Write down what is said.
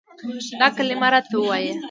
دا کلمه راته وايي،